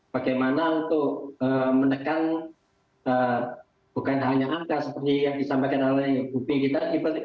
bagaimana untuk menekan bukan hanya angka seperti yang disampaikan oleh bupi tadi